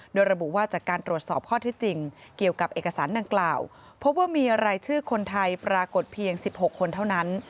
โดยระบุว่าจากการตรวจสอบข้อที่จริงเกี่ยวกับเอกสารดังกล่าวพบว่ามีรายชื่อคนไทยปรากฏเพียง๑๖คนเท่านั้น